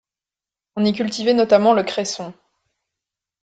On y cultivait notamment le cresson.